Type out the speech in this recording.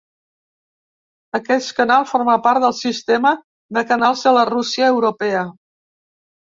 Aquest canal forma part del sistema de canals de la Rússia europea.